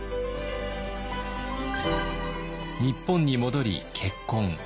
日本に戻り結婚。